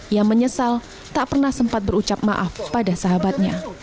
ia menyesal tak pernah sempat berucap maaf pada sahabatnya